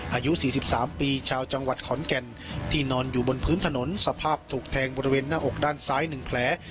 อายุ๔๓ปีชาวจังหวัดขอนแก่นที่นอนอยู่บนพื้นถนนสภาพถูกแทงบริเวณหน้าอกด้านซ้าย๑แผล